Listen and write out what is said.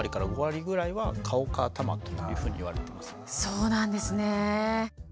なのでそうなんですね。